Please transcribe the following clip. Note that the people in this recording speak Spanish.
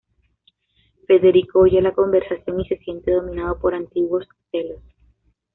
Federico oye la conversación y se siente dominado por antiguos celos.